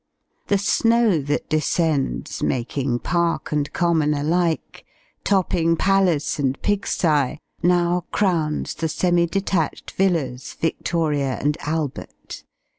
The snow that descends, making park and common alike topping palace and pigsty, now crowns the semi detached villas, Victoria and Albert.